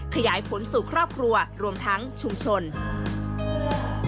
ขยายผลสู่ครอบครัวรวมทั้งชุมชน